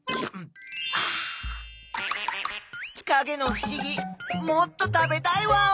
かげのふしぎもっと食べたいワオ！